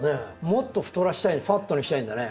もっと太らせたいファットにしたいんだね。